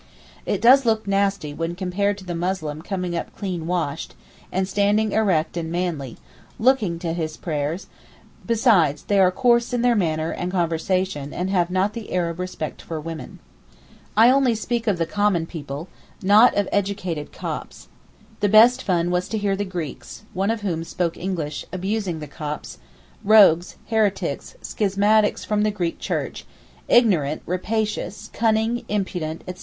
It does look nasty when compared to the Muslim coming up clean washed, and standing erect and manly—looking to his prayers; besides they are coarse in their manners and conversation and have not the Arab respect for women. I only speak of the common people—not of educated Copts. The best fun was to hear the Greeks (one of whom spoke English) abusing the Copts—rogues, heretics, schismatics from the Greek Church, ignorant, rapacious, cunning, impudent, etc.